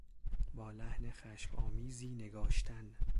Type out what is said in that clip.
با لحن خشم آمیزی نگاشتن